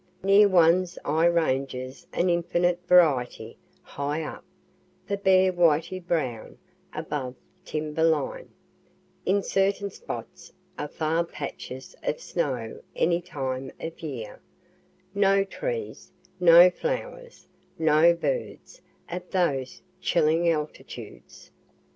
Near one's eye ranges an infinite variety; high up, the bare whitey brown, above timber line; in certain spots afar patches of snow any time of year; (no trees, no flowers, no birds, at those chilling altitudes.)